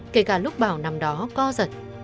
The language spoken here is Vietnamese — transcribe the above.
kể cả lúc bảo nằm đó co giật